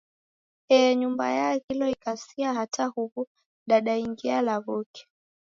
Hee, nyumba yaaghilo ikasia hata huw'u dandaingia law'uke.